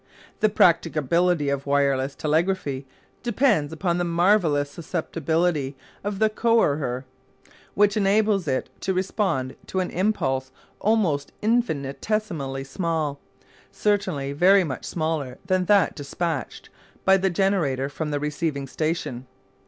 The practicability of wireless telegraphy depends upon the marvellous susceptibility of the "coherer," which enables it to respond to an impulse almost infinitesimally small, certainly very much smaller than that despatched by the generator from the receiving station.